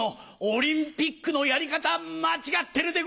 オリンピックのやり方は間違ってるでござる！